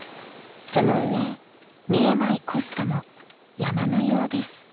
［その上見えないコストも山のようです］